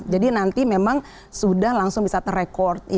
jadi nanti memang sudah langsung bisa terekor